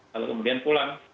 lalu kemudian pulang